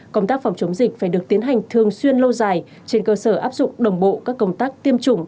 công tác phòng chống dịch phải được tiến hành thường xuyên lâu dài trên cơ sở áp dụng đồng bộ các công tác tiêm chủng